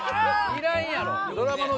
いらんやろ。